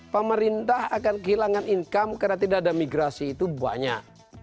pemerintah akan kehilangan income karena tidak ada migrasi itu banyak